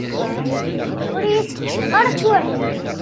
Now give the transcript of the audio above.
Ur yi-teǧǧiḍ ara ad tt-waliɣ.